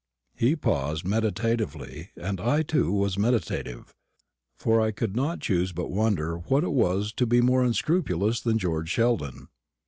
He paused meditatively, and I too was meditative; for I could not choose but wonder what it was to be more unscrupulous than George Sheldon.